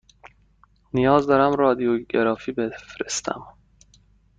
نیاز دارم رادیوگرافی بفرستم.